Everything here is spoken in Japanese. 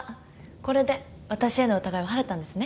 これで私への疑いは晴れたんですね？